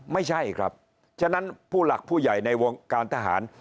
ไม่ใช่ครับฉะนั้นผู้หลักผู้ใหญ่ในวงการทหาร